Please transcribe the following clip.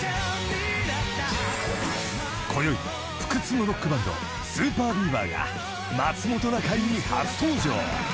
［こよい不屈のロックバンドＳＵＰＥＲＢＥＡＶＥＲが『まつもｔｏなかい』に初登場］